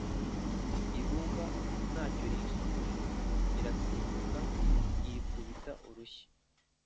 ibumba nta cyo riyisubije irasimbuka irikubita urushyi